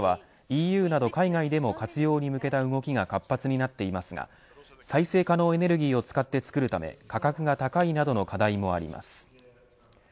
グリーン水素はＥＵなど海外でも活用に向けた動きが活発になっていますが再生可能エネルギーを使って作るため価格が高いなどの課題もあります。